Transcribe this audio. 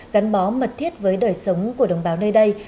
gắn bó mật thiết với đời sống của đồng bào nơi đây